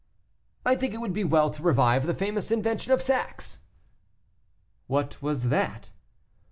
"I think it would be well to revive the famous invention of sacks." "What was that?"